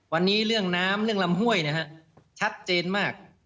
วันนี้เรื่องน้ำเรื่องลำห้วยนะฮะชัดเจนมาก